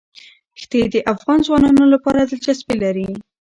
ښتې د افغان ځوانانو لپاره دلچسپي لري.